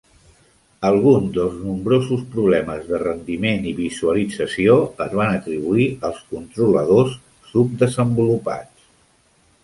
Alguns dels nombrosos problemes de rendiment i visualització es van atribuir als controladors subdesenvolupats.